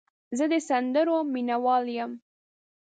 زه د سندرو مینه وال یم.